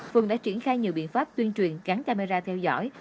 phường đã triển khai nhiều biện pháp tuyên truyền gắn camera theo dõi